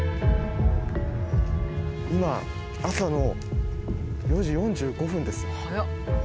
今朝の４時４５分です。